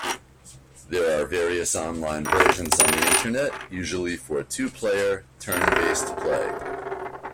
There are various on-line versions on the internet, usually for two-player, turn based play.